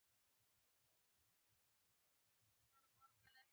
ما که د مېډیا په ډګر کې جګړه کړې ده.